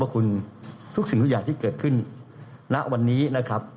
ขอบคุณทุกสิ่งอาหารที่เกิดขึ้นนะวันนี้นะครับ